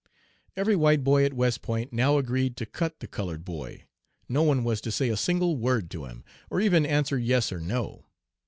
"Every white boy at West Point now agreed to cut the colored boy. No one was to say a single word to him, or even answer yes or no.